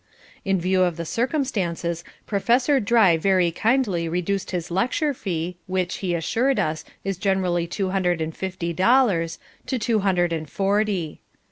In view of the circumstances, Professor Dry very kindly reduced his lecture fee, which (he assured us) is generally two hundred and fifty dollars, to two hundred and forty.